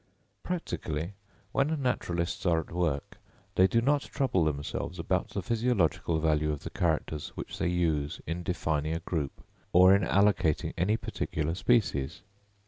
Practically, when naturalists are at work, they do not trouble themselves about the physiological value of the characters which they use in defining a group or in allocating any particular species.